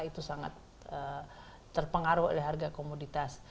itu sangat terpengaruh oleh harga komoditas